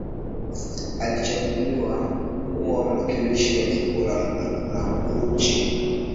Alichaguliwa kuwa mwakilishi wa jimbo la Makunduchi